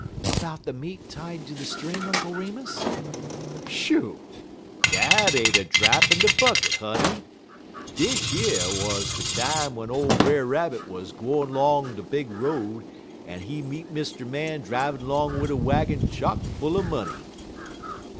"About the meat tied to the string, Uncle Remus?" "Shoo! Dat ain't a drap in de bucket, honey. Dish yer wuz de time w'en ole Brer Rabbit wuz gwine 'long de big road, en he meet Mr. Man drivin' 'long wid a waggin chock full er money."